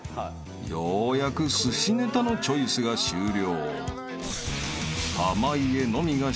［ようやく寿司ネタのチョイスが終了］